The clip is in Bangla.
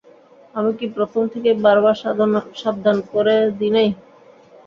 আমি কি প্রথম থেকেই বার বার সাবধান করে দিই নি?